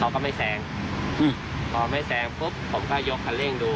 พอไม่แสงปุ๊บผมก็ยกคันเล่นดู